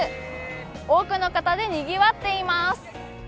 多くの方でにぎわっています。